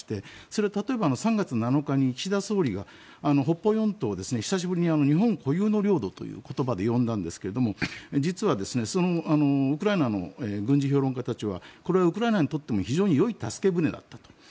それは例えば３月７日に岸田総理が北方四島を久しぶりに日本固有の領土という言葉で呼んだんですが実はウクライナの軍事評論家たちはこれはウクライナにとっても非常に良い助け舟だと。